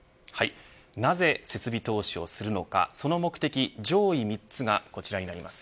なぜ設備投資をするのかその目的上位３つがこちらになります。